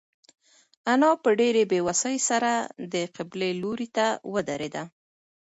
انا په ډېرې بېوسۍ سره د قبلې لوري ته ودرېده.